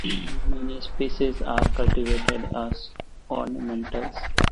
Many species are cultivated as ornamentals.